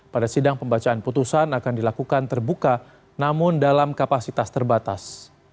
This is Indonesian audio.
pada sidang pembacaan putusan akan dilakukan terbuka namun dalam kapasitas terbatas